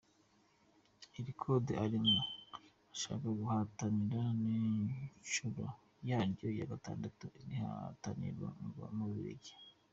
Iri Kode arimo ashaka guhatanira ni inshuro yaryo ya gatandatu rihatanirwa mu Bubiligi.